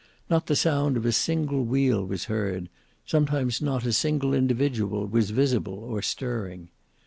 Not the sound of a single wheel was heard; sometimes not a single individual was visible or stirring.